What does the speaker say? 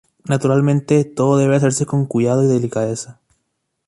Naturalmente, todo debe hacerse con cuidado y delicadeza.